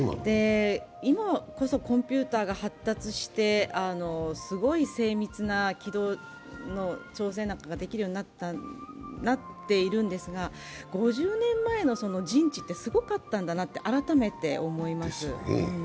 今こそコンピューターが発達して、すごい精密な軌道の調整なんかができるようになっているんですが、５０年前の人智ってすごかったんだなと改めて思います。